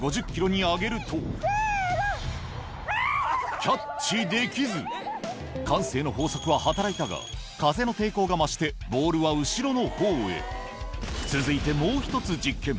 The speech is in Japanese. キャッチできず慣性の法則は働いたが風の抵抗が増してボールは後ろのほうへ続いてもう１つ実験！